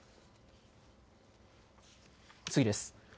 次です。